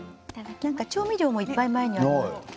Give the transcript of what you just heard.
なんか調味料もいっぱい前にある。